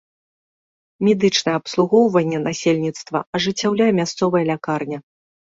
Медычнае абслугоўванне насельніцтва ажыццяўляе мясцовая лякарня.